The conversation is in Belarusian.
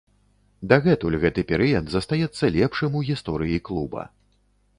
Дагэтуль гэты перыяд застаецца лепшым у гісторыі клуба.